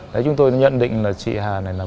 đấy chúng tôi nhận định là chị hà này là bị mất